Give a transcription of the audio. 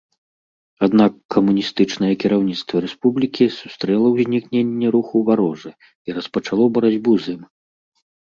Аднак камуністычнае кіраўніцтва рэспублікі сустрэла ўзнікненне руху варожа і распачало барацьбу з ім.